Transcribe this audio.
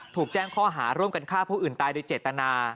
ถูกแจ้งข้อหาร่วมกันฆ่าผู้อื่นตายโดยเจตนา